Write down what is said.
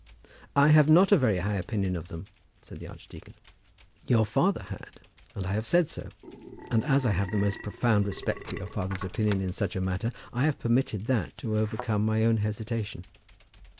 "I have not a very high opinion of them," said the archdeacon. "Your father had, and I have said so. And as I have the most profound respect for your father's opinion in such a matter, I have permitted that to overcome my own hesitation."